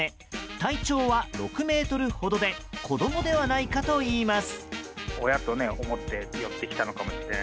体長は６ｍほどで子供ではないかといいます。